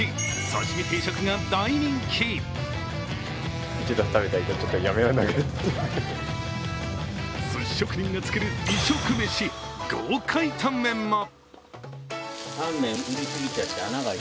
すし職人が作る異色メシ、豪快タンメンも。